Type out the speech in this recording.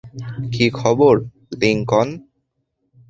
কী খবর, লিংকন!